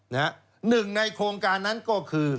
หนึ่งในโครงการนั้นก็คือ